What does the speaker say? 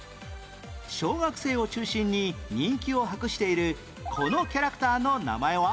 小学生を中心に人気を博しているこのキャラクターの名前は？